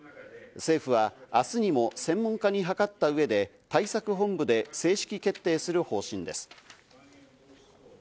政府は明日にも専門家に諮った上で対策本部で正式決定する方針です。